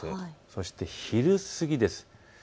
そして昼過ぎです。